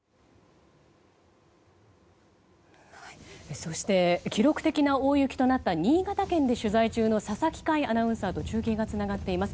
そして、記録的な大雪となった新潟県で取材中の佐々木快アナウンサーと中継がつながっています。